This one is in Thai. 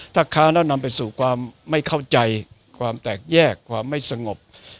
ถ้าค้าแล้วนำไปสู่ความไม่เข้าใจความแตกแยกความไม่สงบ